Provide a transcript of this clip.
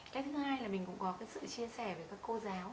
cách thứ hai là mình cũng có sự chia sẻ với các cô giáo